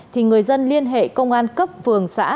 thì người dân liên hệ công an cấp phường xã